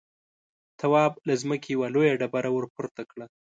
تواب له ځمکې يوه لويه ډبره ورپورته کړه.